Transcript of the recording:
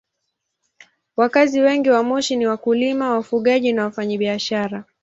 Wakazi wengi wa Moshi ni wakulima, wafugaji na wafanyabiashara.